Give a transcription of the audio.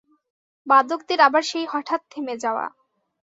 বাদকদের আবার সেই হঠাৎ থেমে যাওয়া।